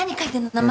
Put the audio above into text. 名前？